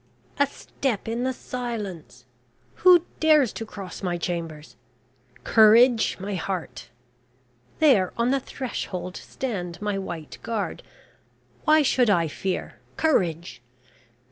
"A step in the silence... Who dares to cross my chambers? Courage, my heart. There on the threshold stand my White Guard. Why should I fear? Courage!